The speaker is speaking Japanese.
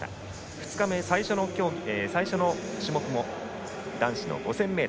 ２日目最初の種目も男子の５０００ｍ。